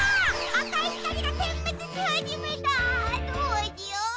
あかいひかりがてんめつしはじめた！どうしよっ！？